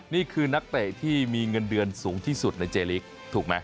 นี่คือนักเตะที่มีเงินเดือนสูงที่สุดในเจลีกถูกไหม